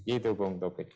itu bung tobit